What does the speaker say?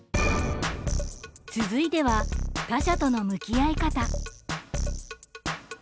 続いては他者との向き合い方。